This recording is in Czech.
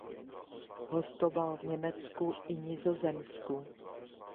Hostoval v Německu i Nizozemsku.